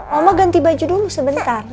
oma ganti baju dulu sebentar